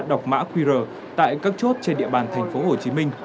đọc mã qr tại các chốt trên địa bàn tp hcm